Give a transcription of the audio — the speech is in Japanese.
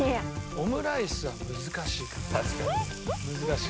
オムライスは本当に難しい。